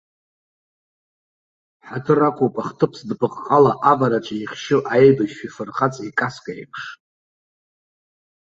Ҳаҭыр ақәуп ахҭыԥ зынпыҟҟала авараҿы ихшьу аибашьҩы фырхаҵа икаска аиԥш.